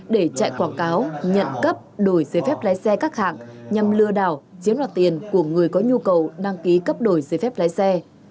để chạy quảng cáo nhận cấp đổi giấy phép lái xe các hạng nhằm lừa đảo chiếm đoạt tiền của người có nhu cầu đăng ký cấp đổi giấy phép lái xe